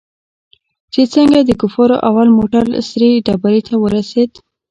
چې څنگه د کفارو اول موټر سرې ډبرې ته ورسېد.